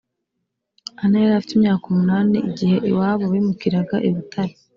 Ana yari afite imyaka umunani igihe iwabo bimukiraga I butare